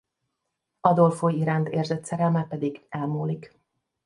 Adolfo iránt érzett szerelme pedig elmúlik.